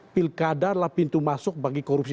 pilkada adalah pintu masuk bagi korupsi